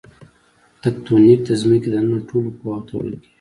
تکتونیک د ځمکې دننه ټولو قواوو ته ویل کیږي.